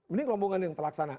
mending rombongan yang telaksana